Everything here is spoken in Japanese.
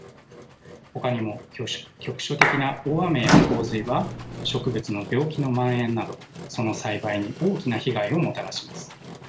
ほかにも局所的な大雨や洪水は植物の病気のまん延などその栽培に大きな被害をもたらします。